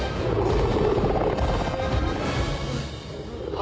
あ！